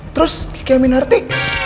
terus kiki aminarti